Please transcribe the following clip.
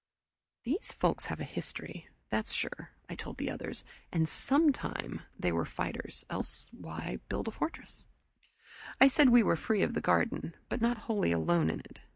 "These folks have a history, that's sure," I told the others. "And SOME time they were fighters else why a fortress?" I said we were free of the garden, but not wholly alone in it.